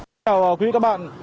xin chào quý vị các bạn